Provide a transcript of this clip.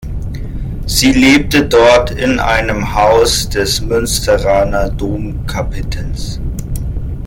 Sie lebte dort in einem Haus des Münsteraner Domkapitels.